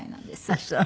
あっそう。